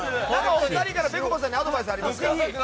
お二人からぺこぱさんにアドバイスありますか。